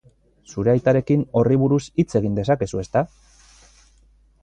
Zure aitarekin horri buruz hitz egin dezakezu, ezta?